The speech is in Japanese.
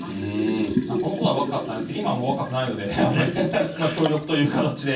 このころは若かったんですけど今もう若くないので協力という形で。